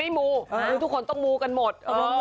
มูทุกคนต้องมูกันหมด